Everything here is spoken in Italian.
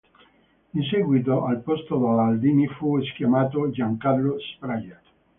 In seguito, al posto della Aldini fu chiamato Giancarlo Sbragia.